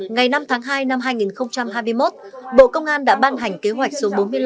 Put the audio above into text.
ngày năm tháng hai năm hai nghìn hai mươi một bộ công an đã ban hành kế hoạch số bốn mươi năm